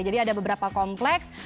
jadi ada beberapa kompleks